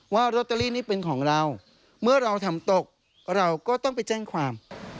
ว่าลอตเตอรี่นี่เป็นของเราเมื่อเราทำตกเราก็ต้องไปแจ้งความ